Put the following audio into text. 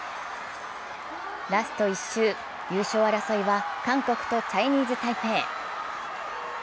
ラスト１周、優勝争いは韓国とチャイニーズ・タイペイ。